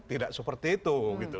tidak seperti itu